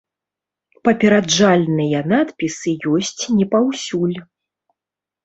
Папераджальныя надпісы ёсць не паўсюль.